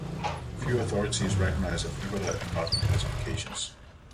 Few authorities recognize Amblypoda in modern classifications.